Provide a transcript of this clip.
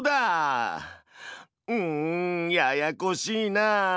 うんややこしいなあ。